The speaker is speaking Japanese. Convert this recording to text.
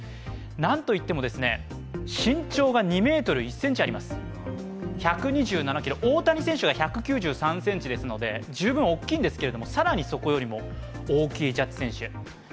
何といっても身長が２ｍ１ｃｍあります１２７ｋｇ、大谷選手が１９３ｃｍですので十分大きいんですけれども、更にそこよりも大きいジャッジ選手。